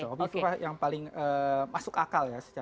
bu kofipa yang paling masuk akal ya secara ekonomi